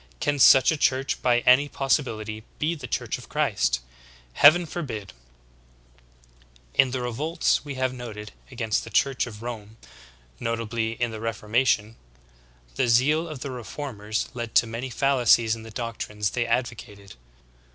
Can such a church by any possibiHty be the Church of Christ ? Heaven forbid ! 15. In the revolts v/e have noted against the Church of Rome, notably in the Reformation, the zeal of the reformers led to many fallacies in the doctrines they advocated.